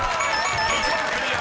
１問クリア！